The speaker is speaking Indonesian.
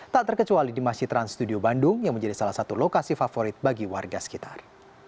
tak terkecuali di masjid trans studio bandung yang menjadi salah satu lokasi favorit bagi warga sekitar